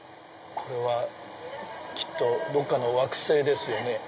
これはきっとどっかの惑星ですよね。